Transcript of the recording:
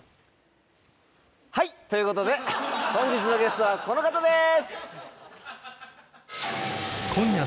はい！ということで本日のゲストはこの方です！